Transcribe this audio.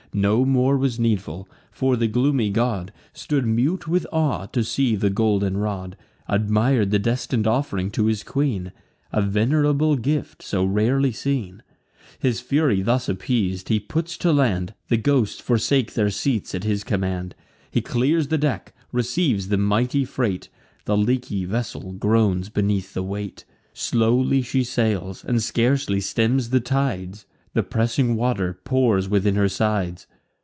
No more was needful: for the gloomy god Stood mute with awe, to see the golden rod; Admir'd the destin'd off'ring to his queen; A venerable gift, so rarely seen. His fury thus appeas'd, he puts to land; The ghosts forsake their seats at his command: He clears the deck, receives the mighty freight; The leaky vessel groans beneath the weight. Slowly she sails, and scarcely stems the tides; The pressing water pours within her sides.